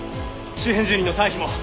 周辺住人の退避も！